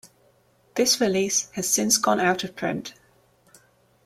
This release has since gone out of print.